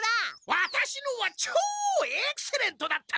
ワタシのはチョエクセレントだったのだ！